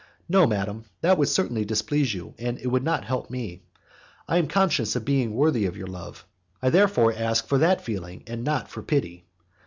No, madam, that would certainly displease you, and it would not help me. I am conscious of being worthy of your love, I therefore ask for that feeling and not for pity.